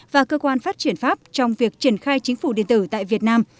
và cơ quan phát triển pháp trong việc triển khai chính phủ điện tử tại việt nam